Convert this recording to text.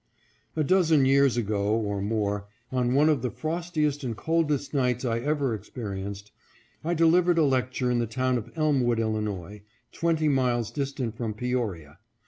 A dozen years ago, or more, on one of the frostiest and coldest nights I ever experienced, I delivered a lecture in the town of Elmwood, Illinois, twenty miles distant from Peoria.